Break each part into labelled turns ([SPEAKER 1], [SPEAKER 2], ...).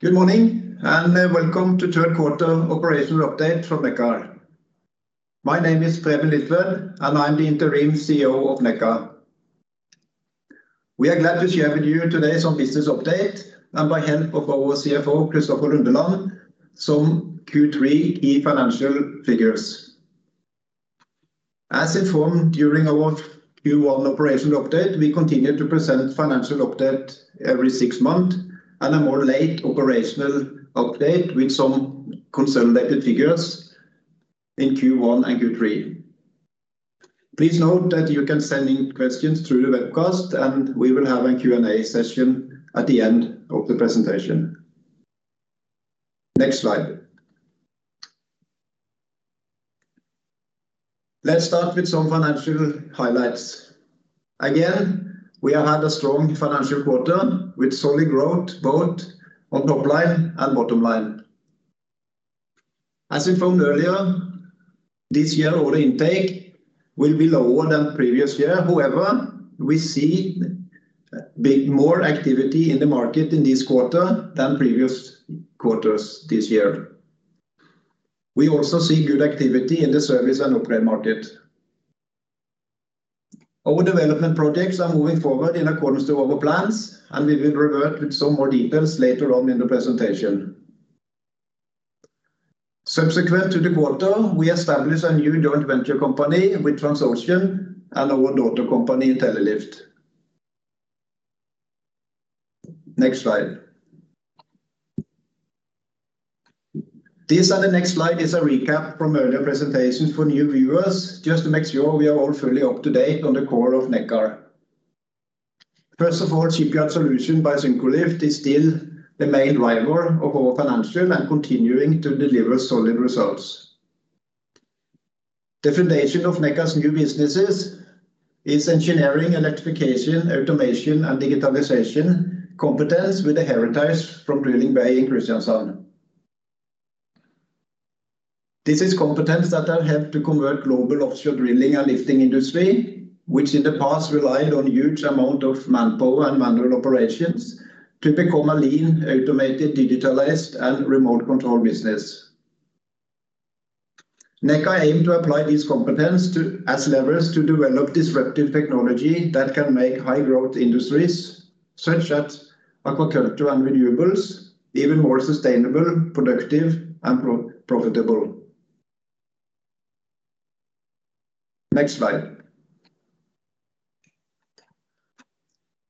[SPEAKER 1] Good morning, and welcome to third quarter operations update from Nekkar. My name is Preben Liltved, and I'm the Interim CEO of Nekkar. We are glad to share with you today some business update and by help of our CFO, Kristoffer Lundeland, some Q3 key financial figures. As informed during our Q1 operational update, we continue to present financial update every six months and a more light operational update with some consolidated figures in Q1 and Q3. Please note that you can send in questions through the webcast, and we will have a Q&A session at the end of the presentation. Next slide. Let's start with some financial highlights. Again, we have had a strong financial quarter with solid growth both on top line and bottom line. As informed earlier, this year order intake will be lower than previous year. However, we see a bit more activity in the market in this quarter than previous quarters this year. We also see good activity in the service and upgrade market. Our development projects are moving forward in accordance to our plans, and we will revert with some more details later on in the presentation. Subsequent to the quarter, we established a new joint venture company with Transocean and our daughter company, Intellilift. Next slide. This, on the next slide, is a recap from earlier presentations for new viewers just to make sure we are all fully up-to-date on the core of Nekkar. First of all, Shipyard Solutions by Syncrolift is still the main driver of our financials and continuing to deliver solid results. The foundation of Nekkar's new businesses is engineering, electrification, automation, and digitalization competence with the heritage from Drilling Bay in Kristiansand. This is competence that have helped to convert global offshore drilling and lifting industry, which in the past relied on huge amount of manpower and manual operations to become a lean, automated, digitalized, and remote controlled business. Nekkar aim to apply this competence as levers to develop disruptive technology that can make high growth industries, such as aquaculture and renewables, even more sustainable, productive, and profitable. Next slide.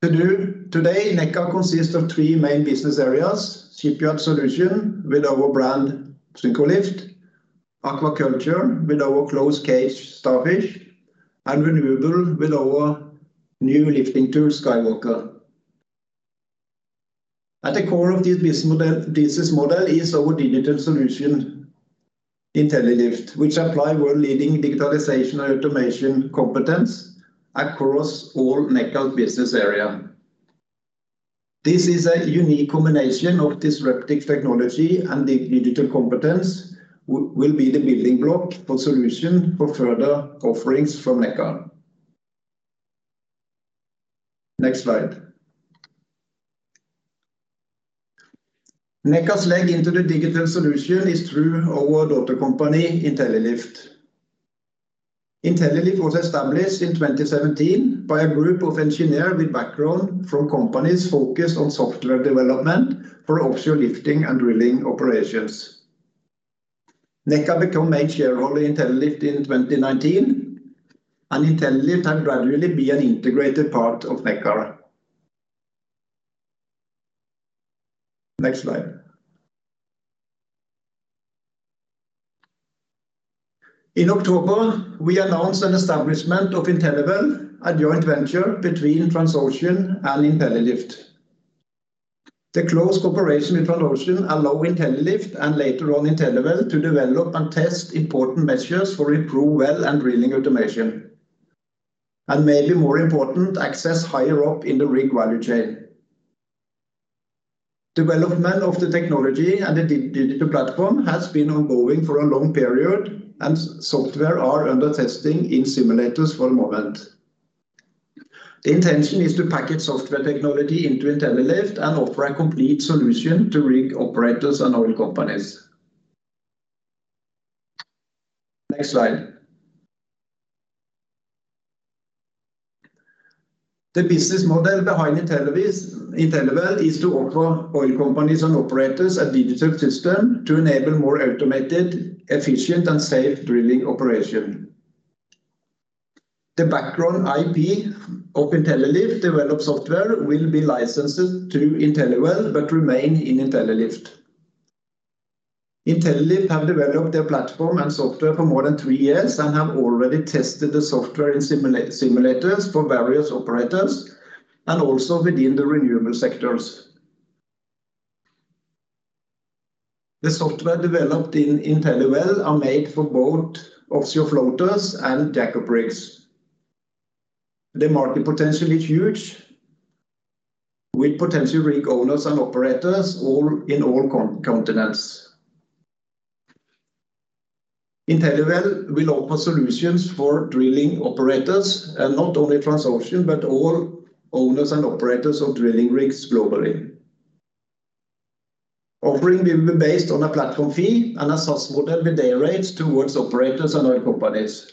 [SPEAKER 1] Today, Nekkar consists of three main business areas: Shipyard Solutions with our brand Syncrolift, Aquaculture with our closed cage Starfish, and Renewables with our new lifting tool, SkyWalker. At the core of this business model is our digital solution, Intellilift, which apply world-leading digitalization and automation competence across all Nekkar business area. This is a unique combination of disruptive technology and digital competence will be the building block for solution for further offerings from Nekkar. Next slide. Nekkar's entry into the digital solutions is through our daughter company, Intellilift. Intellilift was established in 2017 by a group of engineers with background from companies focused on software development for offshore lifting and drilling operations. Nekkar became main shareholder in Intellilift in 2019, and Intellilift has gradually become an integrated part of Nekkar. Next slide. In October, we announced an establishment of InteliWell, a joint venture between Transocean and Intellilift. The close cooperation with Transocean allows Intellilift and later on InteliWell to develop and test important measures for improved well and drilling automation, and maybe more important, access higher up in the rig value chain. Development of the technology and the digital platform has been ongoing for a long period, and software is under testing in simulators at the moment. The intention is to package software technology into Intellilift and offer a complete solution to rig operators and oil companies. Next slide. The business model behind InteliWell is to offer oil companies and operators a digital system to enable more automated, efficient, and safe drilling operation. The background IP of Intellilift developed software will be licensed to InteliWell but remain in Intellilift. Intellilift have developed their platform and software for more than three years and have already tested the software in simulators for various operators and also within the renewable sectors. The software developed in InteliWell are made for both offshore floaters and derrick rigs. The market potential is huge with potential rig owners and operators all in all continents. InteliWell will offer solutions for drilling operators and not only Transocean, but all owners and operators of drilling rigs globally. Offering will be based on a platform fee and a SaaS model with day rates towards operators and oil companies.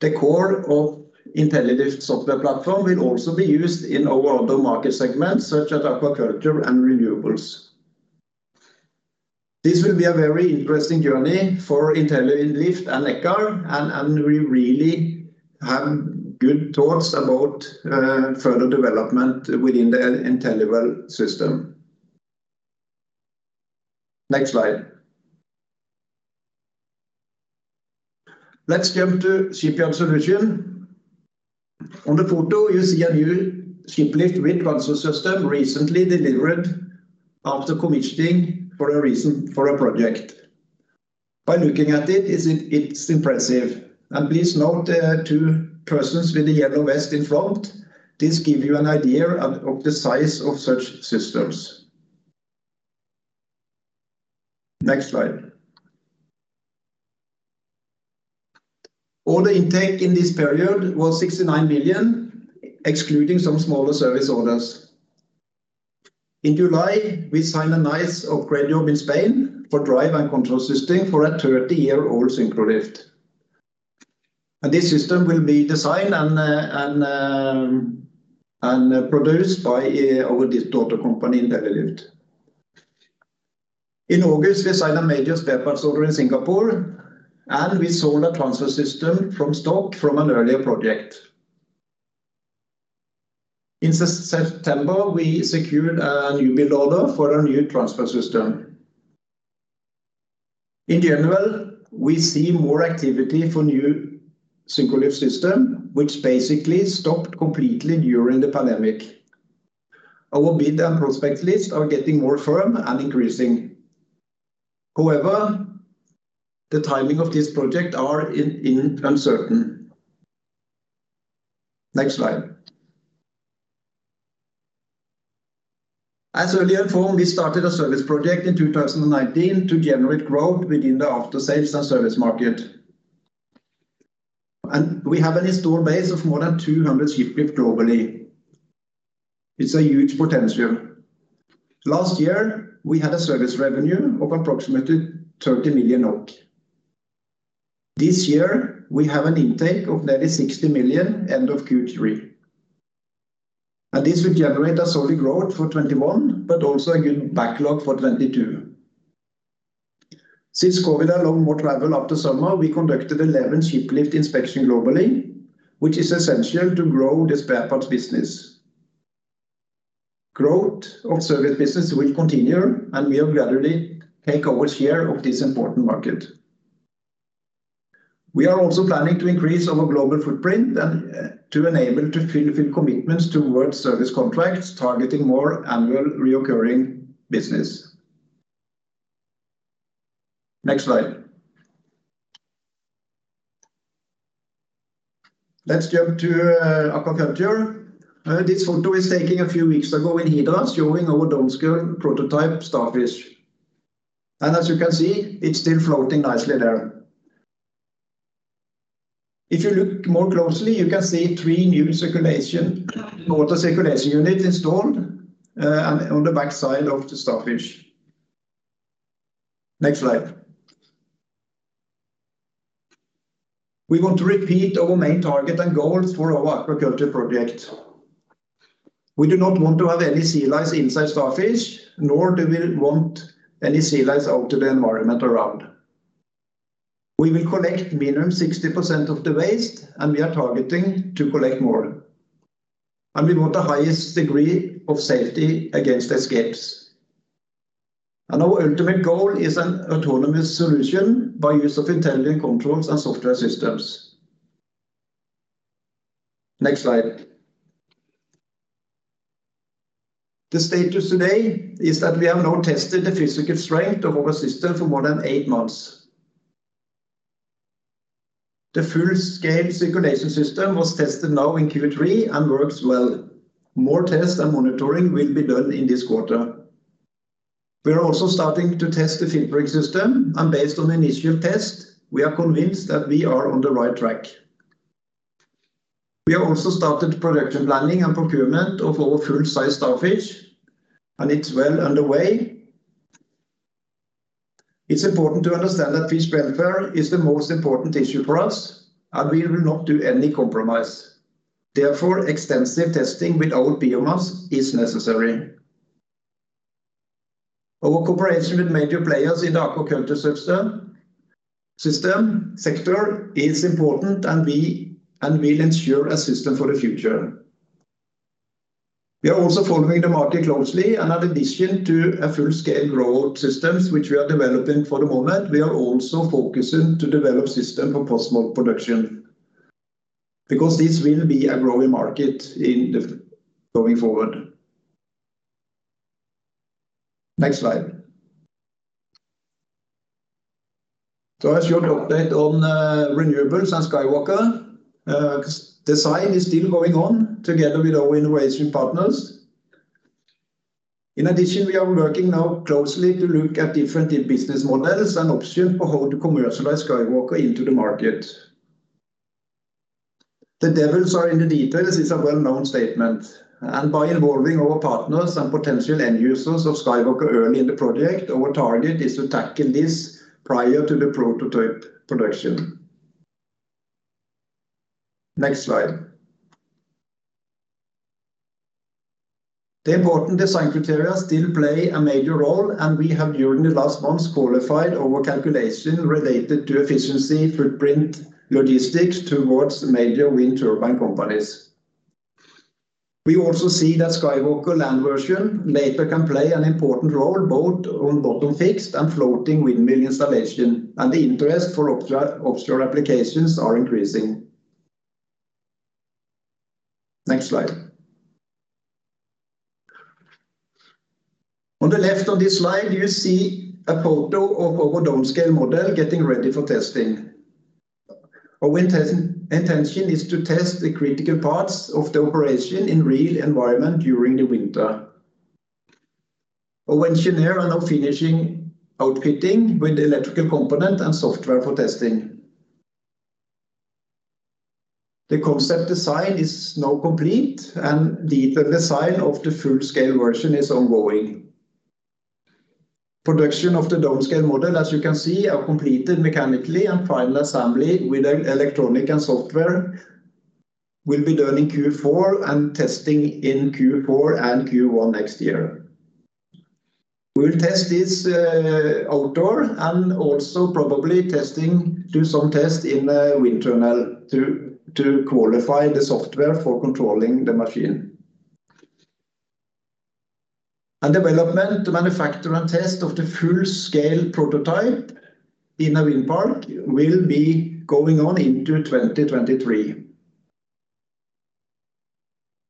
[SPEAKER 1] The core of Intellilift software platform will also be used in our other market segments such as aquaculture and renewables. This will be a very interesting journey for Intellilift and Nekkar, and we really have good thoughts about further development within the Inteliwell system. Next slide. Let's jump to Shipyard Solutions. On the photo you see a new shiplift with transfer system recently delivered after commissioning for a project. By looking at it's impressive. Please note there are two persons with a yellow vest in front. This give you an idea of the size of such systems. Next slide. Order intake in this period was 69 million, excluding some smaller service orders. In July, we signed a nice upgrade job in Spain for drive and control system for a 30-year-old Syncrolift. This system will be designed and produced by our this daughter company, Intellilift. In August, we signed a major spare parts order in Singapore, and we sold a transfer system from stock from an earlier project. In September, we secured a new build order for a new transfer system. In general, we see more activity for new Syncrolift system, which basically stopped completely during the pandemic. Our bid and prospects list are getting more firm and increasing. However, the timing of this project are uncertain. Next slide. As earlier informed, we started a service project in 2019 to generate growth within the aftersales and service market. We have an installed base of more than 200 shiplift globally. It's a huge potential. Last year we had a service revenue of approximately 30 million NOK. This year we have an intake of nearly 60 million end of Q3, and this will generate a solid growth for 2021 but also a good backlog for 2022. Since COVID allowed more travel after summer, we conducted 11 ship lift inspections globally, which is essential to grow the spare parts business. Growth of service business will continue, and we have gradually taken our share of this important market. We are also planning to increase our global footprint and to enable to fulfill commitments towards service contracts, targeting more annual recurring business. Next slide. Let's jump to aquaculture. This photo is taken a few weeks ago in Hidra, showing our downscaled prototype Starfish. As you can see, it's still floating nicely there. If you look more closely, you can see three new water circulation units installed and on the backside of the Starfish. Next slide. We want to repeat our main target and goals for our aquaculture project. We do not want to have any sea lice inside Starfish, nor do we want any sea lice out to the environment around. We will collect minimum 60% of the waste, and we are targeting to collect more. We want the highest degree of safety against escapes. Our ultimate goal is an autonomous solution by use of intelligent controls and software systems. Next slide. The status today is that we have now tested the physical strength of our system for more than 8 months. The full-scale circulation system was tested now in Q3 and works well. More tests and monitoring will be done in this quarter. We are also starting to test the filtering system and based on initial test, we are convinced that we are on the right track. We have also started production planning and procurement of our full-size Starfish and it's well underway. It's important to understand that fish welfare is the most important issue for us, and we will not do any compromise. Therefore, extensive testing with all biomass is necessary. Our cooperation with major players in the aquaculture sector is important and will ensure a system for the future. We are also following the market closely and in addition to a full-scale growth systems which we are developing for the moment, we are also focusing to develop system for post-smolt production because this will be a growing market going forward. Next slide. A short update on renewables and SkyWalker. Design is still going on together with our innovation partners. In addition, we are working now closely to look at different business models and options on how to commercialize SkyWalker into the market. The devils are in the details is a well-known statement, and by involving our partners and potential end users of SkyWalker early in the project, our target is to tackle this prior to the prototype production. Next slide. The important design criteria still play a major role, and we have during the last months qualified our calculation related to efficiency, footprint, logistics towards major wind turbine companies. We also see that SkyWalker land version later can play an important role both on bottom fixed and floating windmill installation, and the interest for offshore applications are increasing. Next slide. On the left of this slide, you see a photo of our downscaled model getting ready for testing. Our intention is to test the critical parts of the operation in real environment during the winter. Our engineer are now finishing outfitting with the electrical component and software for testing. The concept design is now complete, and detailed design of the full-scale version is ongoing. Production of the downscaled model, as you can see, are completed mechanically, and final assembly with electronic and software will be done in Q4 and testing in Q4 and Q1 next year. We'll test this outdoor and also probably testing do some test in the wind tunnel to qualify the software for controlling the machine. Development, manufacture, and test of the full-scale prototype in a wind park will be going on into 2023.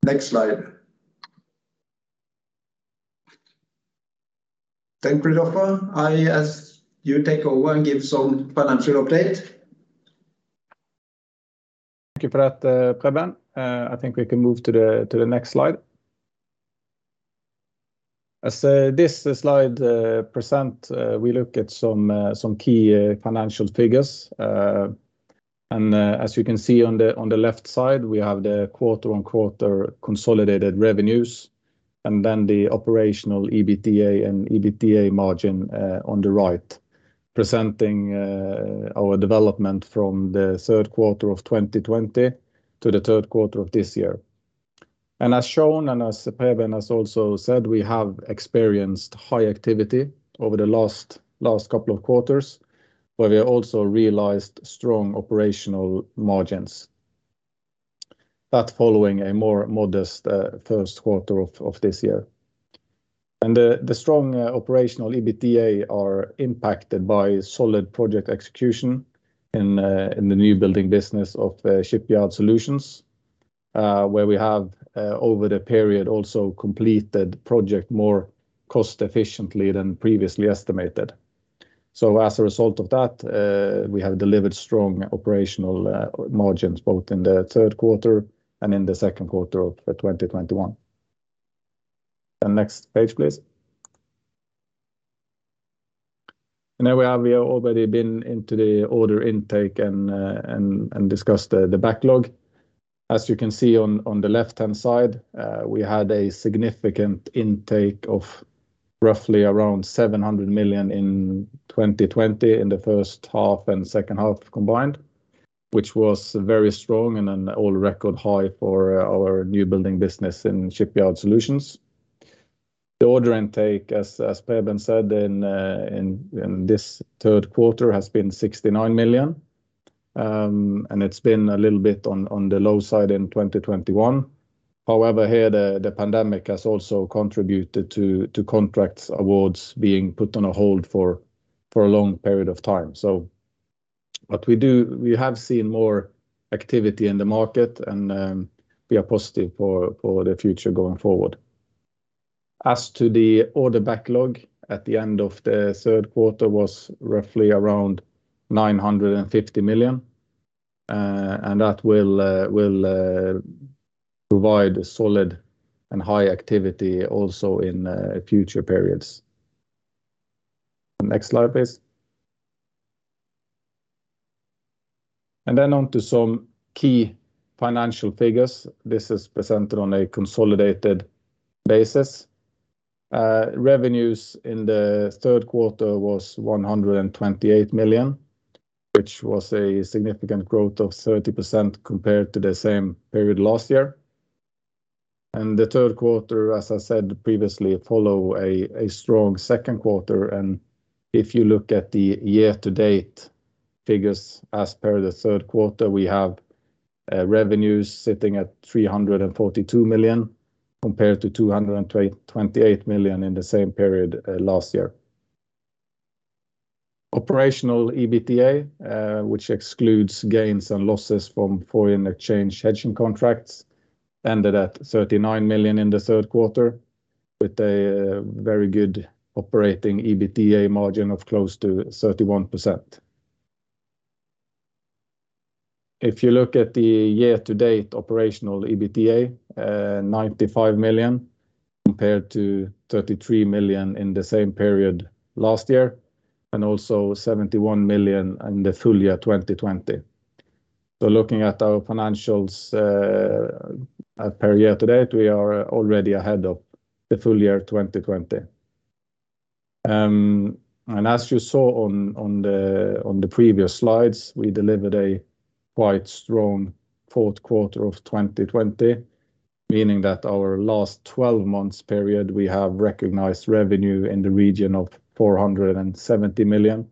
[SPEAKER 1] Next slide. Thank you, Roger. I ask you take over and give some financial update.
[SPEAKER 2] Thank you for that, Preben. I think we can move to the next slide. As this slide presents, we look at some key financial figures. As you can see on the left side, we have the quarter-over-quarter consolidated revenues and then the operational EBITDA and EBITDA margin on the right, presenting our development from the third quarter of 2020 to the third quarter of this year. As shown and as Preben has also said, we have experienced high activity over the last couple of quarters, but we have also realized strong operational margins following a more modest first quarter of this year. The strong operational EBITDA are impacted by solid project execution in the new building business of Shipyard Solutions, where we have over the period also completed project more cost efficiently than previously estimated. As a result of that, we have delivered strong operational margins both in the third quarter and in the second quarter of 2021. Next page, please. There we have already been into the order intake and discussed the backlog. As you can see on the left-hand side, we had a significant intake of roughly around 700 million in 2020 in the first half and second half combined, which was very strong and an all record high for our new building business in Shipyard Solutions. The order intake, as Preben said in this third quarter, has been 69 million. It's been a little bit on the low side in 2021. However, the pandemic has also contributed to contract awards being put on a hold for a long period of time. We have seen more activity in the market, and we are positive for the future going forward. The order backlog at the end of the third quarter was roughly around 950 million, and that will provide solid and high activity also in future periods. Next slide, please. Then on to some key financial figures. This is presented on a consolidated basis. Revenues in the third quarter was 128 million, which was a significant growth of 30% compared to the same period last year. The third quarter, as I said previously, follow a strong second quarter. If you look at the year to date figures as per the third quarter, we have revenues sitting at 342 million compared to 228 million in the same period last year. Operational EBITDA, which excludes gains and losses from foreign exchange hedging contracts, ended at 39 million in the third quarter with a very good operating EBITDA margin of close to 31%. If you look at the year to date operational EBITDA, 95 million compared to 33 million in the same period last year, and also 71 million in the full year 2020. Looking at our financials, year to date, we are already ahead of the full year 2020. As you saw on the previous slides, we delivered a quite strong fourth quarter of 2020, meaning that our last 12 months period, we have recognized revenue in the region of 470 million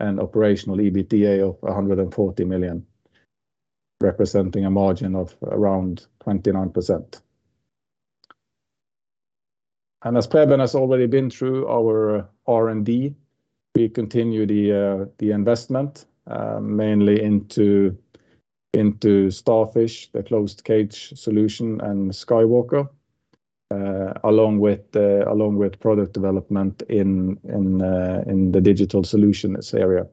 [SPEAKER 2] and operational EBITDA of 140 million, representing a margin of around 29%. As Preben Liltved has already been through our R&D, we continue the investment mainly into Starfish, the closed cage solution, and SkyWalker, along with product development in the digital solutions area.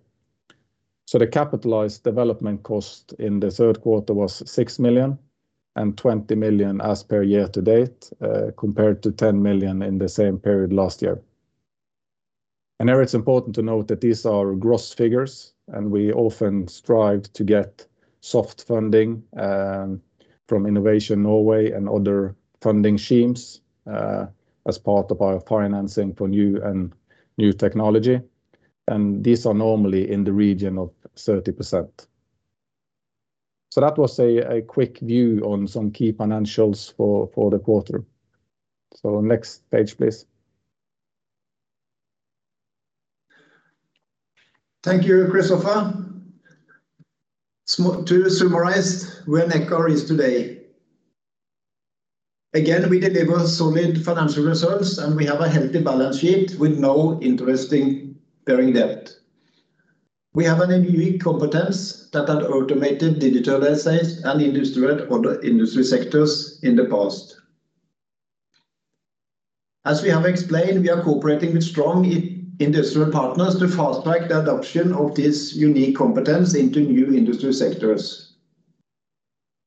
[SPEAKER 2] The capitalized development cost in the third quarter was 6 million and 20 million year to date, compared to 10 million in the same period last year. There it's important to note that these are gross figures, and we often strive to get soft funding from Innovation Norway and other funding schemes as part of our financing for new technology. These are normally in the region of 30%. That was a quick view on some key financials for the quarter. Next page, please.
[SPEAKER 1] Thank you, Kristoffer. To summarize where Nekkar is today. Again, we deliver solid financial results, and we have a healthy balance sheet with no interest-bearing debt. We have a unique competence that had automated digital assets and industrialized other industry sectors in the past. As we have explained, we are cooperating with strong industrial partners to fast-track the adoption of this unique competence into new industry sectors.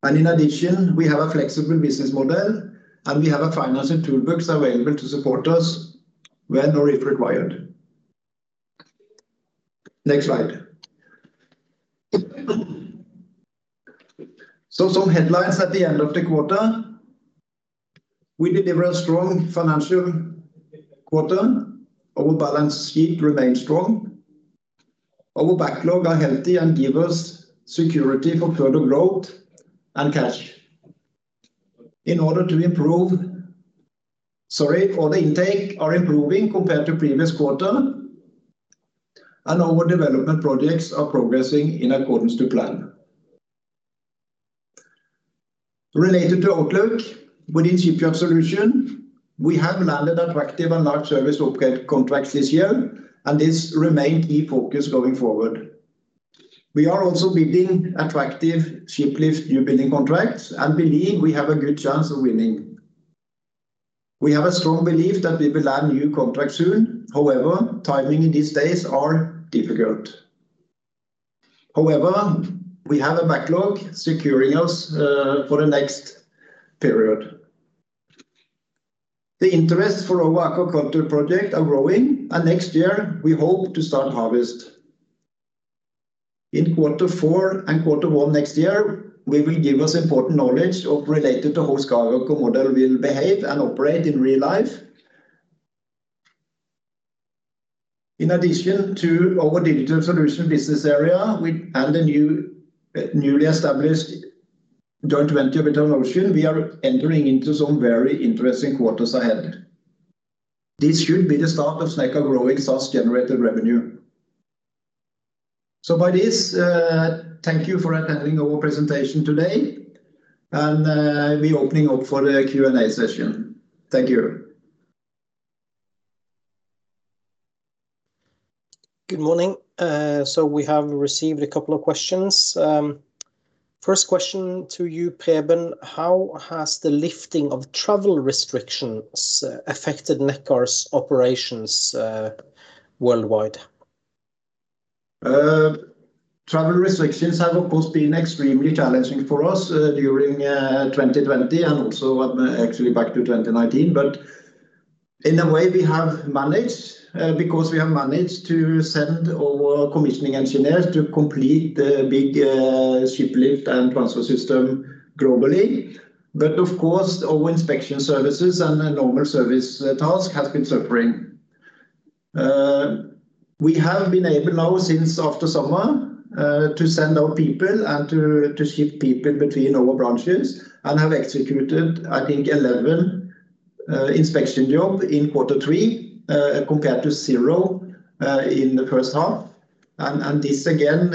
[SPEAKER 1] In addition, we have a flexible business model, and we have a financing toolbox available to support us when or if required. Next slide. Some headlines at the end of the quarter. We deliver a strong financial quarter. Our balance sheet remains strong. Our backlog are healthy and give us security for further growth and cash. Order intake are improving compared to previous quarter, and our development projects are progressing in accordance to plan. Related to outlook, within Shipyard Solutions, we have landed attractive and large service contracts this year, and this remains key focus going forward. We are also bidding attractive shiplift newbuilding contracts and believe we have a good chance of winning. We have a strong belief that we will land new contract soon. However, timing in these days are difficult. However, we have a backlog securing us for the next period. The interest for our aquaculture project are growing, and next year we hope to start harvest. In quarter four and quarter one next year, we will give us important knowledge related to how SkyWalker model will behave and operate in real life. In addition to our digital solution business area and a newly established joint venture with Transocean, we are entering into some very interesting quarters ahead. This should be the start of Nekkar growing SaaS-generated revenue. By this, thank you for attending our presentation today, and we're opening up for a Q&A session. Thank you.
[SPEAKER 3] Good morning. We have received a couple of questions. First question to you, Preben Liltved. How has the lifting of travel restrictions affected Nekkar's operations, worldwide?
[SPEAKER 1] Travel restrictions have of course been extremely challenging for us during 2020 and also actually back to 2019. In a way, we have managed to send our commissioning engineers to complete the big ship lift and transfer system globally. Of course, our inspection services and normal service task has been suffering. We have been able now since after summer to send our people and to ship people between our branches and have executed, I think, 11 inspection job in quarter three compared to zero in the first half. This again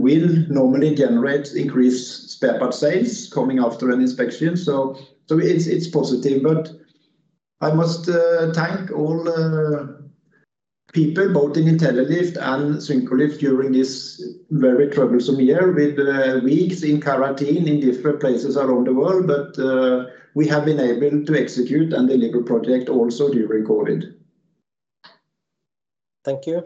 [SPEAKER 1] will normally generate increased spare part sales coming after an inspection. It's positive. I must thank all people both in Intellilift and Syncrolift during this very troublesome year with weeks in quarantine in different places around the world. We have been able to execute and deliver project also during COVID.
[SPEAKER 3] Thank you.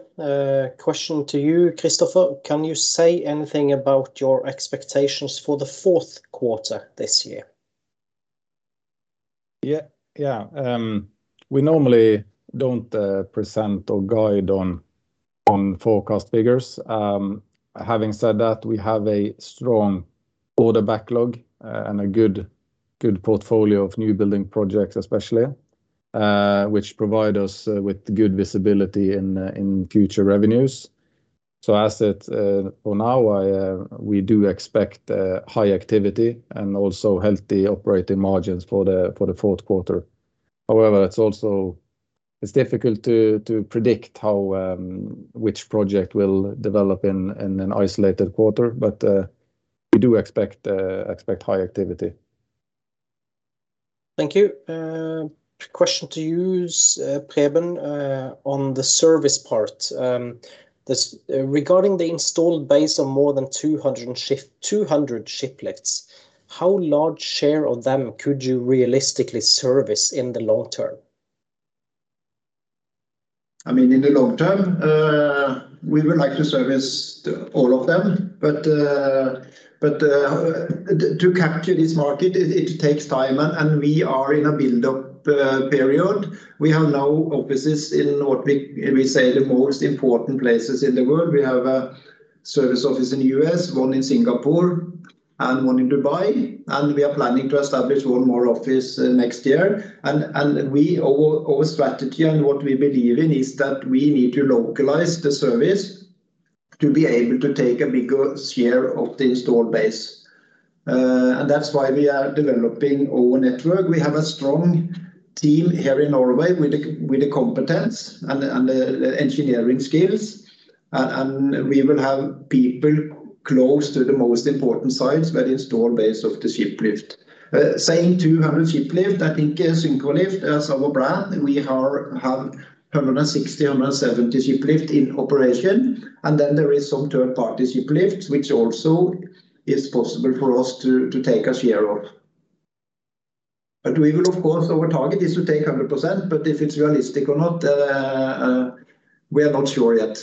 [SPEAKER 3] Question to you, Kristoffer. Can you say anything about your expectations for the fourth quarter this year?
[SPEAKER 2] Yeah. Yeah. We normally don't present or guide on forecast figures. Having said that, we have a strong order backlog and a good portfolio of new building projects especially which provide us with good visibility in future revenues. As it for now, we do expect high activity and also healthy operating margins for the fourth quarter. However, it's also difficult to predict how which project will develop in an isolated quarter. We do expect high activity.
[SPEAKER 3] Thank you. Question to you, Preben, on the service part. Regarding the installed base of more than 200 shiplifts, how large share of them could you realistically service in the long term?
[SPEAKER 1] I mean, in the long term, we would like to service all of them. To capture this market, it takes time and we are in a build-up period. We have now offices in what we say are the most important places in the world. We have a service office in the U.S., one in Singapore, and one in Dubai, and we are planning to establish one more office next year. Our strategy and what we believe in is that we need to localize the service to be able to take a bigger share of the installed base. That's why we are developing our network. We have a strong team here in Norway with the competence and the engineering skills. We will have people close to the most important sites where the installed base of the shiplift, saying 200 shiplifts, I think, Syncrolift as our brand, we have 160, 170 shiplifts in operation. Then there is some third-party shiplifts which also is possible for us to take a share of. We will of course, our target is to take 100%, but if it's realistic or not, we are not sure yet.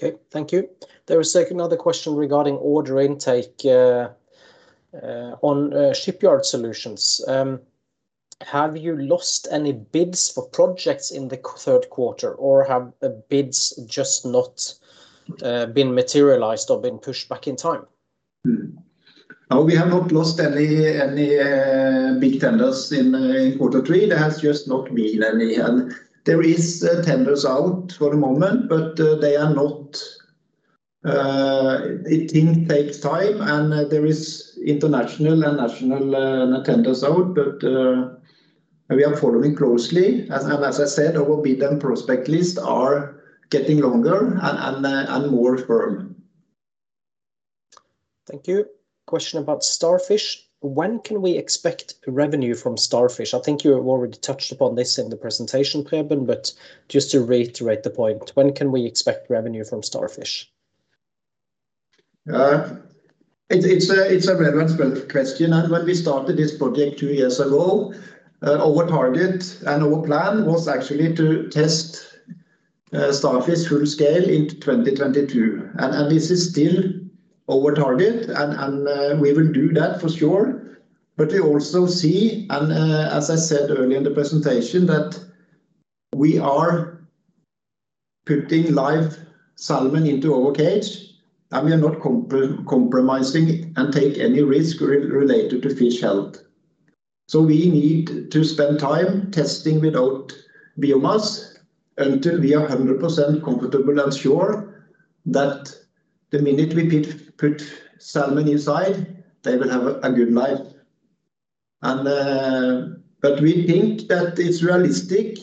[SPEAKER 3] Okay, thank you. There is second other question regarding order intake on Shipyard Solutions. Have you lost any bids for projects in the third quarter, or have the bids just not been materialized or been pushed back in time?
[SPEAKER 1] No, we have not lost any big tenders in quarter three. There has just not been any. There is tenders out for the moment, but they are not. It takes time and there is international and national tenders out. We are following closely. As I said, our bid and prospect list are getting longer and more firm.
[SPEAKER 3] Thank you. Question about Starfish. When can we expect revenue from Starfish? I think you have already touched upon this in the presentation, Preben, but just to reiterate the point, when can we expect revenue from Starfish?
[SPEAKER 1] It's a relevant question. When we started this project two years ago, our target and our plan was actually to test Starfish full scale in 2022. This is still our target and we will do that for sure. We also see, as I said earlier in the presentation, that we are putting live salmon into our cage, and we are not compromising and take any risk related to fish health. We need to spend time testing without biomass until we are 100% comfortable and sure that the minute we put salmon inside, they will have a good life. We think that it's realistic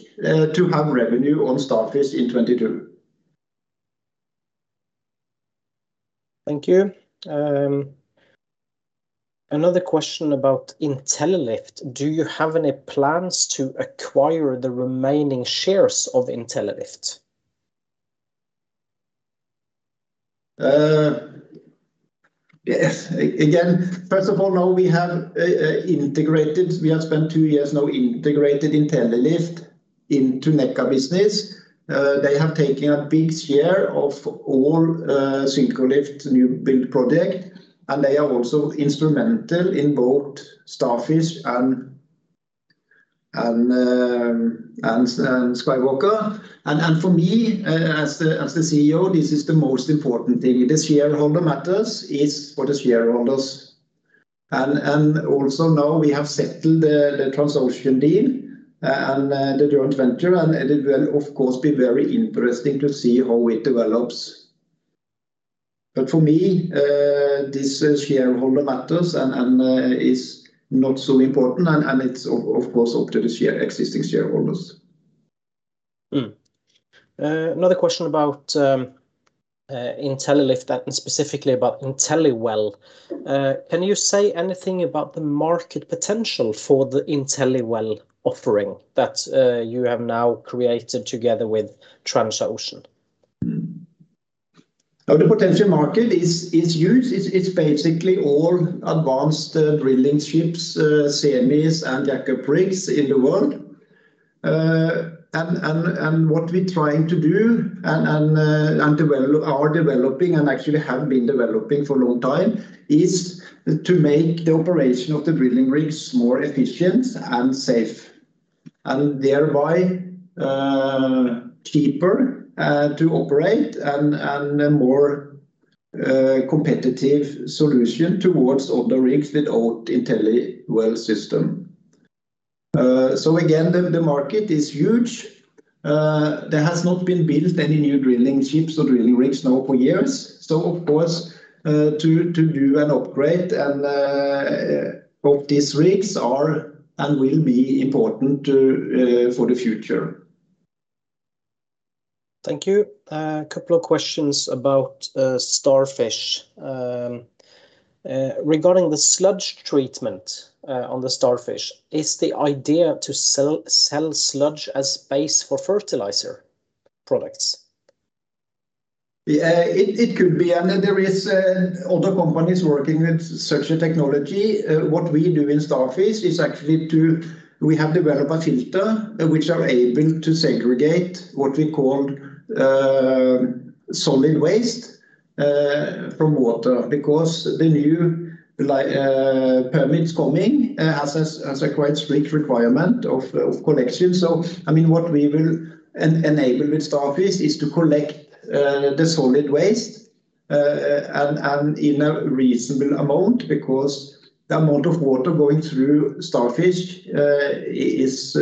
[SPEAKER 1] to have revenue on Starfish in 2022.
[SPEAKER 3] Thank you. Another question about Intellilift. Do you have any plans to acquire the remaining shares of Intellilift?
[SPEAKER 1] Yes. First of all, now we have integrated. We have spent two years now integrated Intellilift into Nekkar business. They have taken a big share of all Syncrolift new build project, and they are also instrumental in both Starfish and SkyWalker. For me, as the CEO, this is the most important thing. The shareholder matters is for the shareholders. Also now we have settled the Transocean deal and the joint venture, and it will of course be very interesting to see how it develops. For me, this is shareholder matters and is not so important, and it's of course up to the existing shareholders.
[SPEAKER 3] Another question about Intellilift and specifically about InteliWell. Can you say anything about the market potential for the InteliWell offering that you have now created together with Transocean?
[SPEAKER 1] Now the potential market is huge. It's basically all advanced drilling ships, semis, and jackup rigs in the world. What we're trying to do and are developing and actually have been developing for a long time is to make the operation of the drilling rigs more efficient and safe, and thereby cheaper to operate and a more competitive solution towards other rigs without InteliWell system. Again, the market is huge. There has not been built any new drilling ships or drilling rigs now for years. Of course to do an upgrade and both these rigs are and will be important for the future.
[SPEAKER 3] Thank you. A couple of questions about Starfish. Regarding the sludge treatment on the Starfish, is the idea to sell sludge as base for fertilizer products?
[SPEAKER 1] Yeah, it could be, and there is other companies working with such a technology. What we do in Starfish is actually we have developed a filter which are able to segregate what we call solid waste from water because the new permits coming has a quite strict requirement of collection. I mean, what we will enable with Starfish is to collect the solid waste and in a reasonable amount because the amount of water going through Starfish is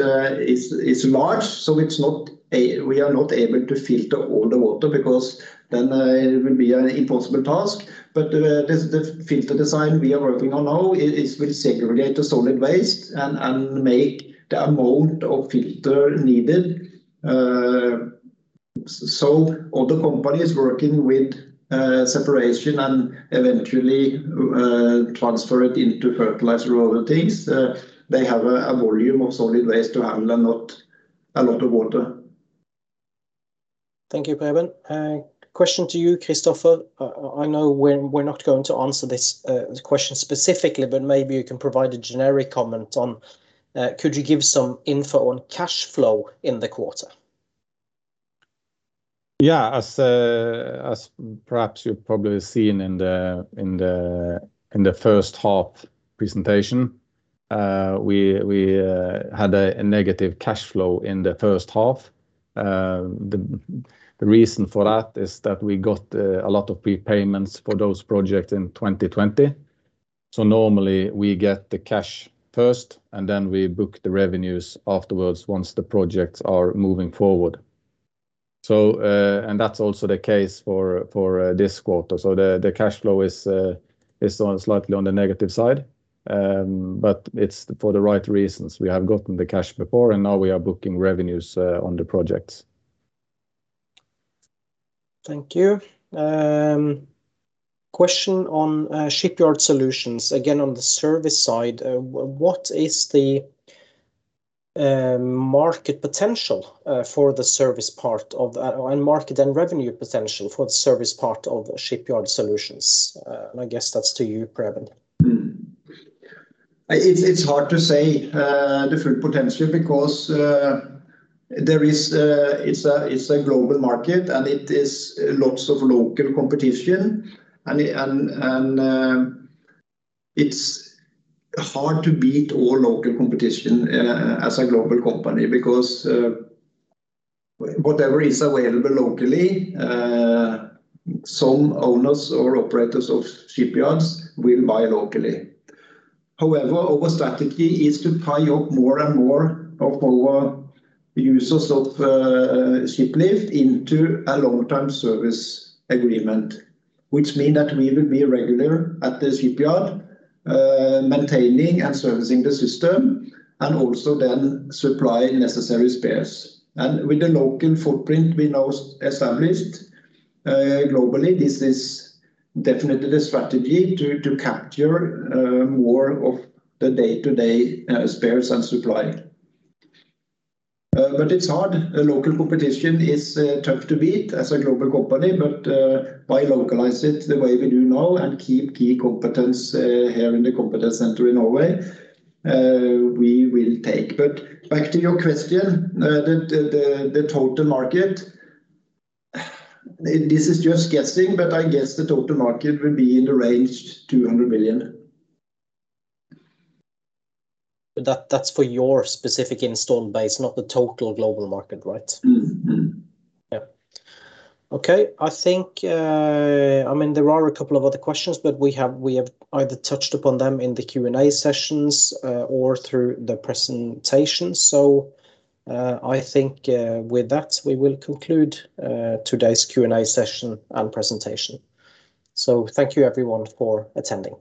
[SPEAKER 1] large, so we are not able to filter all the water because then it will be an impossible task. The filter design we are working on now is will segregate the solid waste and make the amount of filter needed. Other companies working with separation and eventually transfer it into fertilizer or other things. They have a volume of solid waste to handle and not a lot of water.
[SPEAKER 3] Thank you, Preben. Question to you, Kristoffer. I know we're not going to answer this question specifically, but maybe you can provide a generic comment on, could you give some info on cash flow in the quarter?
[SPEAKER 2] Yeah. As perhaps you've probably seen in the first half presentation, we had a negative cash flow in the first half. The reason for that is that we got a lot of prepayments for those projects in 2020. Normally we get the cash first, and then we book the revenues afterwards once the projects are moving forward. That's also the case for this quarter. The cash flow is slightly on the negative side, but it's for the right reasons. We have gotten the cash before, and now we are booking revenues on the projects.
[SPEAKER 3] Thank you. Question on Shipyard Solutions. Again, on the service side, what is the market potential for the service part of that and market and revenue potential for the service part of the Shipyard Solutions? I guess that's to you, Preben.
[SPEAKER 1] It's hard to say the full potential because there is a global market and lots of local competition, and it's hard to beat all local competition as a global company because whatever is available locally, some owners or operators of shipyards will buy locally. However, our strategy is to tie up more and more of our users of shiplift into a long-term service agreement, which mean that we will be a regular at the shipyard, maintaining and servicing the system and also then supplying necessary spares. With the local footprint we now established globally, this is definitely the strategy to capture more of the day-to-day spares and supply. It's hard. Local competition is tough to beat as a global company, but by localize it the way we do now and keep key competence here in the competence center in Norway, we will take. Back to your question, the total market, this is just guessing, but I guess the total market will be in the range 200 million.
[SPEAKER 3] That, that's for your specific installed base, not the total global market, right?
[SPEAKER 1] Mm-mm.
[SPEAKER 3] Yeah. Okay. I think, I mean, there are a couple of other questions, but we have either touched upon them in the Q&A sessions, or through the presentation. I think, with that, we will conclude today's Q&A session and presentation. Thank you everyone for attending.